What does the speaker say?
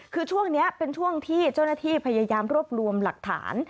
คือช่วงนี้เป็นช่วงที่เจ้าหน้าที่พยายามรวบรวมหลักฐาน